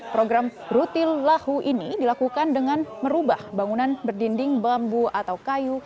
program rutil lahu ini dilakukan dengan merubah bangunan berdinding bambu atau kayu